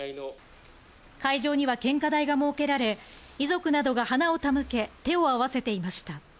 会場には献花台が設けられ、遺族などが花を手向け、手を合わせていました。